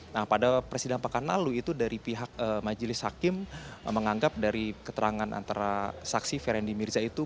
nah pada persidangan pekan lalu itu dari pihak majelis hakim menganggap dari keterangan antara saksi feryandi mirza itu